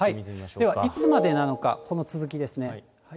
ではいつまでなのか、この続きですね。